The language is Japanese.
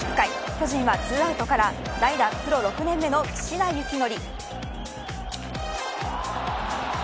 巨人は２アウトから代打プロ６年目の岸田行倫。